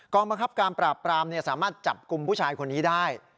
บังคับการปราบปรามสามารถจับกลุ่มผู้ชายคนนี้ได้